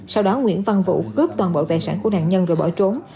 sau đó nguyễn văn vũ cướp toàn bộ tài sản của nạn nhân rồi bỏ trốn